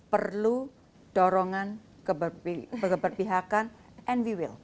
perlu dorongan keberpihakan and we will